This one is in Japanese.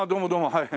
はい。